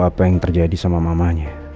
apa yang terjadi sama mamanya